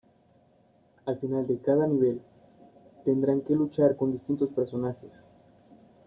Al final de cada nivel, tendrán que luchar con distintos personajes.